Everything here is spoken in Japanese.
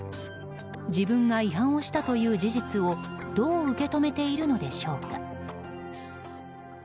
自分が違反したという事実をどう受け止めているのでしょうか。